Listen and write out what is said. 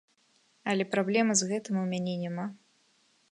Але праблемы з гэтым у мяне няма.